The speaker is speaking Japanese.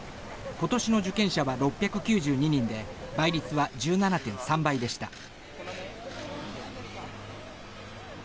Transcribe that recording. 今年の受験者は６９２人で倍率は１７．３倍でした。